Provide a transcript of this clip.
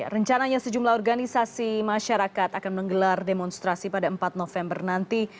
rencananya sejumlah organisasi masyarakat akan menggelar demonstrasi pada empat november nanti